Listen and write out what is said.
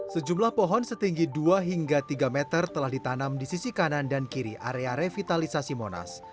sejumlah pohon setinggi dua hingga tiga meter telah ditanam di sisi kanan dan kiri area revitalisasi monas